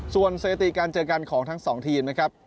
ส่วนสถิติการเจอกันของทั้งสองทีมนะครับ